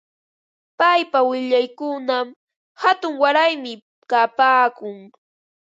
Paypa willkankunam hatun qaraymi kapaakun.